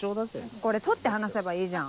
これ取って話せばいいじゃん。